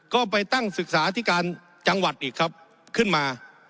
ก็ไปตั้งศึกษาที่การจังหวัดอีกครับขึ้นมา